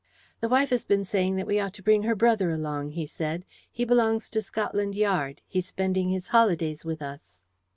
"The wife has been saying that we ought to take her brother along," he said. "He belongs to Scotland Yard. He's spending his holidays with us."